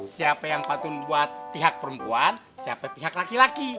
siapa yang patuh buat pihak perempuan siapa pihak laki laki